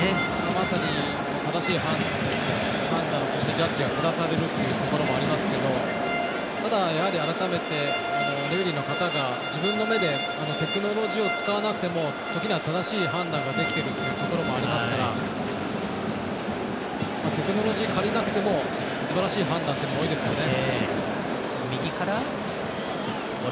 まさに正しい判断そしてジャッジが下されるというところもありますけどただ、改めてレフェリーの方が自分の目でテクノロジーを使わなくても時には正しい判断ができてるというところもありますからテクノロジーを借りなくてもすばらしい判断というのは多いですからね。